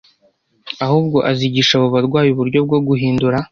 ahubwo azigisha abo barwayi uburyo bwo guhindura